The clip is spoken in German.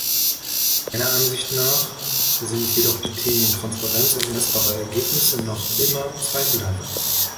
Meiner Ansicht nach sind jedoch die Themen Transparenz und messbare Ergebnisse noch immer zweifelhaft.